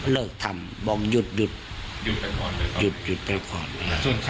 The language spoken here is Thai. เลิกทำบอกหยุดหยุดเป็นขอดเลยครับ